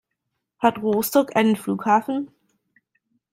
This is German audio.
Hat Rostock einen Flughafen?